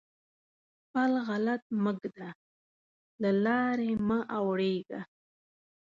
پل غلط مه ږده؛ له لارې مه اوړېږه.